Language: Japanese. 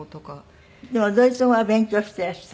でもドイツ語は勉強していらした？